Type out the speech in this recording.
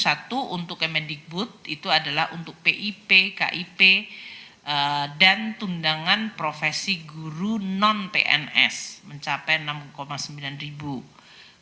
satu untuk kemendikbud itu adalah untuk pip kip dan tundangan profesi guru non pns mencapai enam sembilan ribu